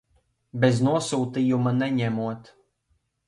Bez nosūtījuma neņemot.